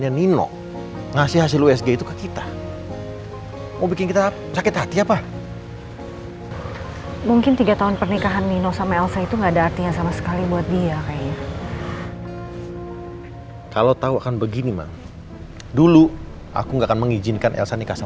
yang benar benar cinta dengan elsa